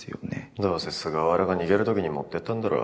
どうせ菅原が逃げるときに持ってったんだろ。